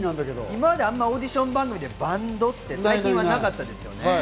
今までオーディション番組でバンドって最近なかったですよね。